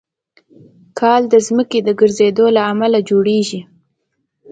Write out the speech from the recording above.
کال د ځمکې د ګرځېدو له امله جوړېږي.